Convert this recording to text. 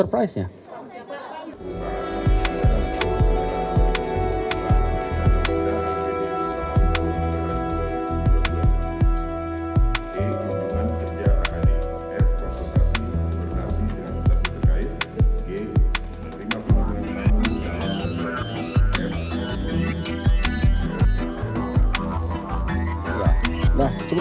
f pertimbangan kerja akademi